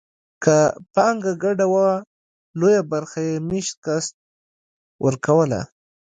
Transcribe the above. که پانګه ګډه وه لویه برخه یې مېشت کس ورکوله